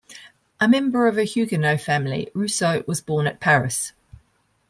A member of a Huguenot family, Rousseau was born at Paris.